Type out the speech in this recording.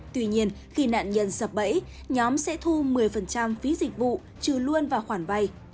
tuy nhiên khi nạn nhân sập bẫy nhóm sẽ thu một mươi phí dịch vụ trừ luôn vào khoản vay